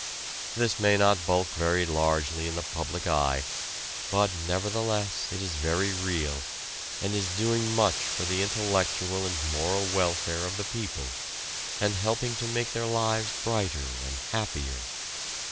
This may not bulk very largely in the public eye, but nevertheless it is very real, and is doing much for the intellectual and moral welfare of the people, and helping to make their lives brighter and happier.